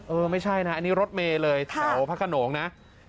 เออไม่ใช่นะอันนี้รถเมย์เลยแถวพระขนงนะ